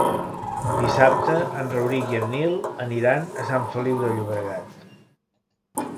Dissabte en Rauric i en Nil aniran a Sant Feliu de Llobregat.